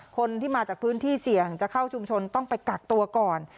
คนที่มาจากพื้นที่เสี่ยงจะเข้าชุมชนต้องไปกักตัวก่อน